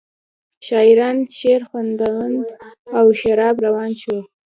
شاعران شعرخواندند او شراب روان شو.